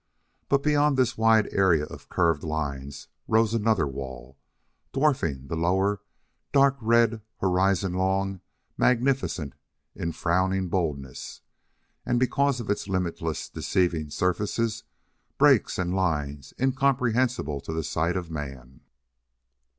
But beyond this wide area of curved lines rose another wall, dwarfing the lower, dark red, horizon long, magnificent in frowning boldness, and because of its limitless deceiving surfaces, breaks, and lines, incomprehensible to the sight of man.